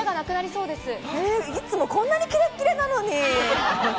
いつも、こんなにキレッキレなのに！